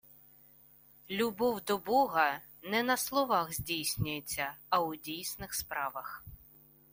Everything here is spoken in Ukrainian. Любов до Бога не на словах здійснюється, а у дійсних справах.